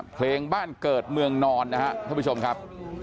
เพลงบ้านเกิดเมืองนอนนะครับท่านผู้ชมครับ